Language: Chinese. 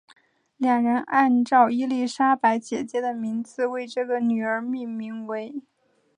两人按照伊丽莎白姐姐的名字为这个女儿命名为。